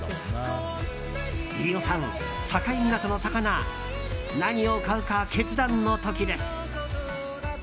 飯尾さん、境港の魚何を買うか決断の時です。